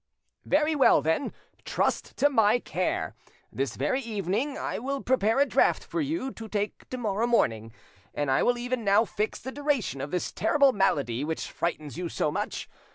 "Very well, then: trust to my care. This very evening I will prepare a draught for you to take to morrow morning, and I will even now fix the duration of this terrible malady which frightens you so much.